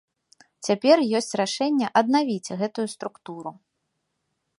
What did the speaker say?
Цяпер ёсць рашэнне аднавіць гэтую структуру.